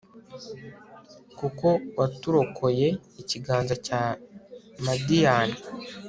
kuko waturokoye ikiganza cya madiyani